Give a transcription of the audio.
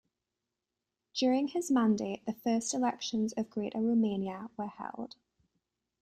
During his mandate, the first elections of Greater Romania were held.